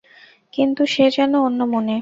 কিন্তু সে যেন অন্যমনে।